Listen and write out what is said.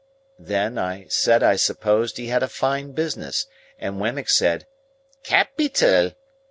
Then, I said I supposed he had a fine business, and Wemmick said, "Ca pi tal!"